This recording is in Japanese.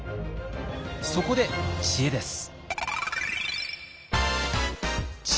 そこで知恵です。